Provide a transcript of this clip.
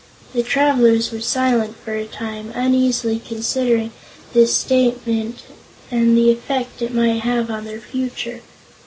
The travelers were silent for a time, uneasily considering this statement and the effect it might have on their future.